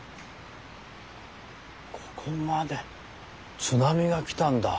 ここまで津波が来たんだ。